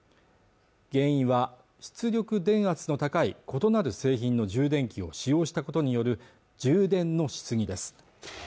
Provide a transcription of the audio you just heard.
原因は出力電圧の高い異なる製品の充電器を使用したことによる充電のしすぎです